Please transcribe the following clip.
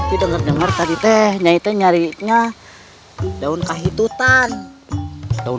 iya denger denger tadi teh nyari daun kahitutan